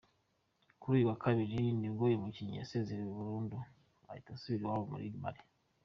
Kuri uyu wa Kabiri nibwo uyu mukinnyi yasezerewe burundu ahita asubira iwabo muri Mali.